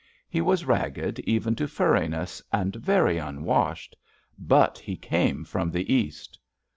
He was ragged even to furriness, and very unwashed. But he came from the East.